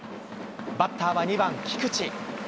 バッターは２番菊池。